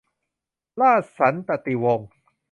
ราชสันตติวงศ์